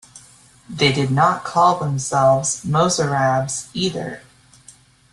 They did not call themselves "Mozarabs" either.